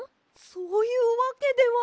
そういうわけでは。